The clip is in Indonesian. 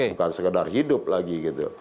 bukan sekedar hidup lagi gitu